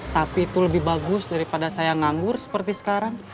tapi itu lebih bagus daripada saya nganggur seperti sekarang